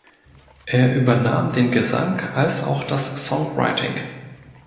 Er übernahm den Gesang als auch das Songwriting.